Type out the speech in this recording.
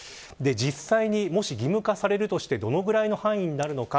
実際に、もし義務化されるとしてどのぐらいの範囲なのか。